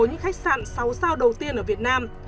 những khách sạn sáu sao đầu tiên ở việt nam